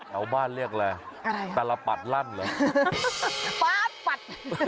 เอาบ้านเรียกอะไรอะไรแต่ละปัดลั่นหรอภาร์ทปัด